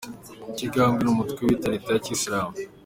Cyigambwe n'umutwe wiyita leta ya kisilamu.